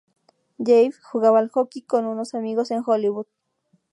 Jaffe jugaba al hockey con unos amigos en Hollywood.